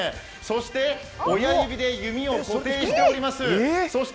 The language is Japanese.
そして親指で弓を固定しております。